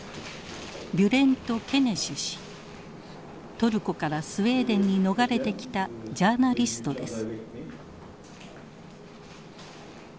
トルコからスウェーデンに逃れてきたジャーナリストです。